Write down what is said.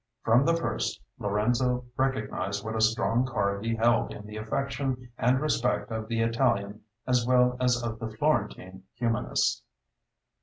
From the first, Lorenzo recognized what a strong card he held in the affection and respect of the Italian as well as of the Florentine humanists.